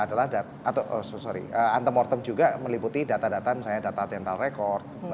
ante mortem juga meliputi data data misalnya data dental record